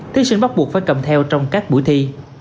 thí sinh bắt buộc phải cầm theo trong các buổi thi